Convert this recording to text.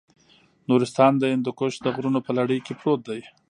نورستان د هندوکش د غرونو په لړۍ کې پروت دی.